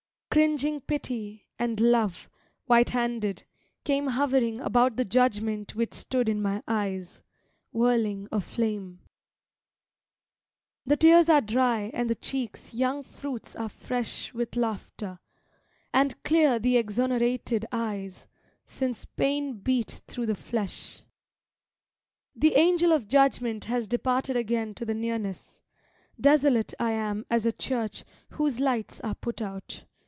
Cringing Pity, and Love, white handed, came Hovering about the Judgment which stood in my eyes, Whirling a flame. ....... The tears are dry, and the cheeks' young fruits are fresh With laughter, and clear the exonerated eyes, since pain Beat through the flesh. The Angel of Judgment has departed again to the Nearness. Desolate I am as a church whose lights are put out.